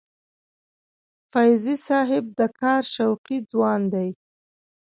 فیضي صاحب د کار شوقي ځوان دی.